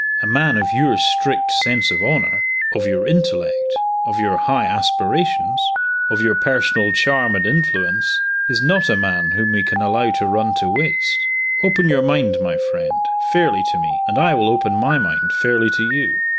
A man of your strict sense of honor of your intellect of your high aspirations of your personal charm and influence is not a man whom we can allow to run to waste. Open your mind, my friend, fairly to me, and I will open my mind fairly to you.